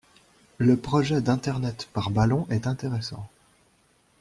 Le projet d'internet par ballons est intéressant.